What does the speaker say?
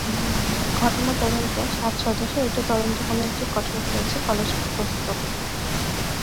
ঘটনা তদন্তে সাত সদস্যর একটি তদন্ত কমিটি গঠন করেছে কলেজ কর্তৃপক্ষ।